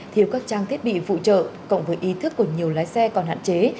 thiếu các trang thiết bị phụ trợ cộng với ý thức của nhiều lái xe còn hạn chế